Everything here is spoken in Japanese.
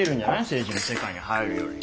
政治の世界に入るより。